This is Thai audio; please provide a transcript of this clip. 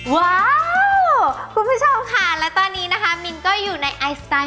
ว้าวคุณผู้ชมค่ะและตอนนี้นะคะมินก็อยู่ในไอสไตล์